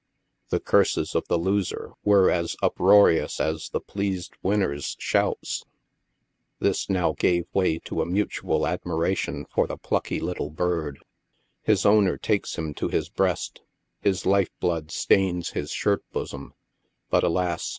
The curses of the losers were as uproarious as the pleased winners' shouts. This now gave way to a mutual admiration for the plucky little bird. His owner takes him to his breast ; bis life blood stains his shirt bosom ; but, alas